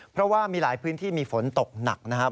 เพราะว่ามีหลายพื้นที่มีฝนตกหนักนะครับ